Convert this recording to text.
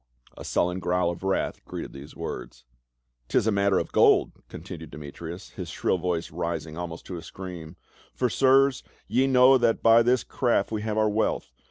A sullen growl of wrath greeted these words. " 'Tis a matter of gold," continued Demetrius, his shrill voice rising almost to a scream, " for, sirs, ye know that by this craft we have our wealth.